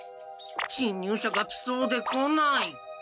しんにゅうしゃが来そうで来ない。